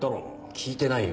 聞いてないよ。